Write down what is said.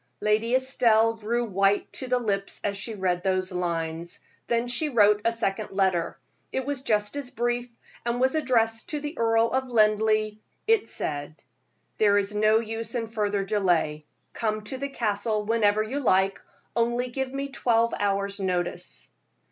Lady Estelle grew white to the lips as she read those lines. Then she wrote a second letter. It was just as brief, and was addressed to the Earl of Linleigh. It said: "There is no use in further delay; come to the Castle whenever you like, only give me twelve hour's notice."